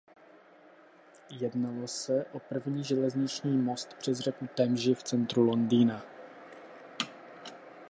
Jednalo se o první železniční most přes řeku Temži v centru Londýna.